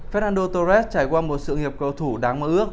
fernando torres trải qua một sự nghiệp cầu thủ đáng mơ ước